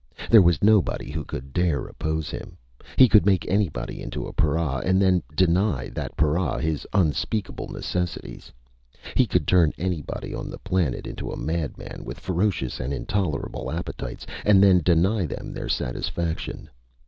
There was nobody who could dare oppose him. He could make anybody into a para, and then deny that para his unspeakable necessities. He could turn anybody on the planet into a madman with ferocious and intolerable appetites, and then deny them their satisfaction.